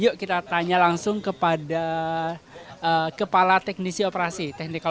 yuk kita tanya langsung kepada kepala teknisi operasi